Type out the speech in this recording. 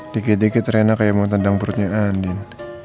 dikit dikit rendah kayak mau tendang perutnya andin